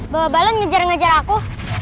bawa balon ngejar ngejar aku